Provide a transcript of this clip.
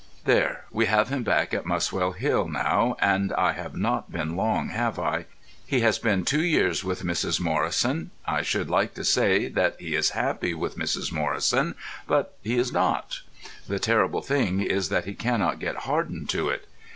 There, we have him back at Muswell Hill now, and I have not been long, have I? He has been two years with Mrs. Morrison. I should like to say that he is happy with Mrs. Morrison, but he is not. The terrible thing is that he cannot get hardened to it.